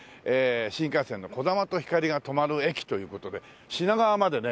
新幹線のこだまとひかりが止まる駅という事で品川までね